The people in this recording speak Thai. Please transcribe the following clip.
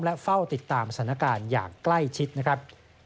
และเฝ้าติดตามสถานการณ์อย่างใกล้ชิดนะครับ